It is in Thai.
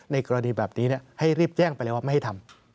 ในกรณีแบบนี้ให้รีบแจ้งไปเลยว่าไม่ให้ทำ